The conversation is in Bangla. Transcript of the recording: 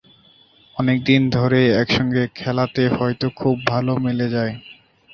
অনেক দিন ধরে একসঙ্গে খেলাতে হয়তো খুব ভালো মিলে যায়।